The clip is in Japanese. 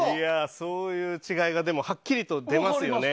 そういう違いがはっきりと出ますよね。